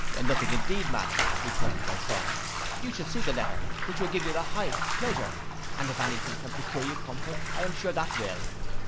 '—'Nothing indeed, madam,' returned my son, 'you shall see the letter, which will give you the highest pleasure; and if any thing can procure you comfort, I am sure that will.